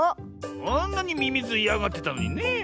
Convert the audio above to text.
あんなにミミズいやがってたのにねえ。